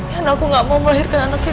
dan aku gak mau melahirkan anaknya dia